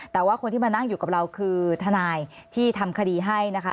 แต่ว่าคนที่มานั่งอยู่กับเราคือทนายที่ทำคดีให้นะคะ